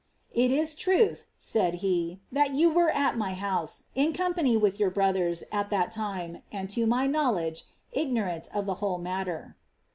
♦* It is truth," said he, " that you were at my house, in company with your brothers, at that time, and to my knowledge, ignorant of the whole matter."